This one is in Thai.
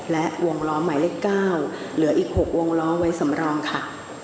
และวงล้อหมายเลข๙เหลืออีก๖วงล้อไว้สำรองค่ะ